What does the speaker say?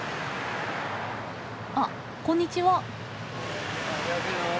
あこんにちは。